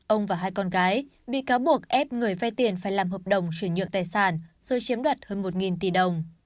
ông và hai con gái bị cáo buộc ép người vay tiền phải làm hợp đồng chuyển nhượng tài sản rồi chiếm đoạt hơn một tỷ đồng